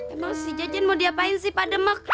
emang sih jejen mau diapain sih pak demek